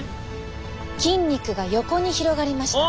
筋肉が横に広がりました。